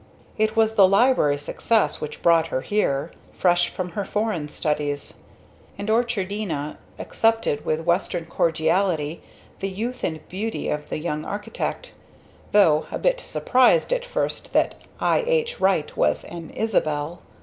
It was the library success which brought her here, fresh from her foreign studies, and Orchardina accepted with western cordiality the youth and beauty of the young architect, though a bit surprised at first that "I. H. Wright" was an Isabel.